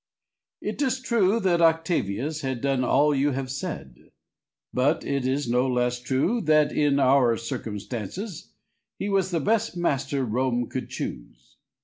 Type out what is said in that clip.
It is true that Octavius had done all you have said; but it is no less true that, in our circumstances, he was the best master Rome could choose.